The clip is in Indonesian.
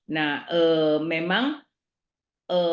nah memang secara faktor